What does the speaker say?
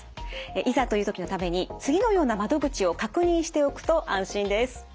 いざという時のために次のような窓口を確認しておくと安心です。